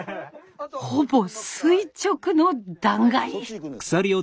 ほぼ垂直の断崖。